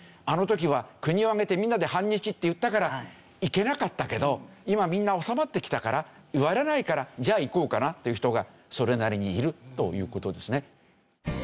あの時は国を挙げてみんなで反日って言ったから行けなかったけど今みんな収まってきたから言われないからじゃあ行こうかなっていう人がそれなりにいるという事ですね。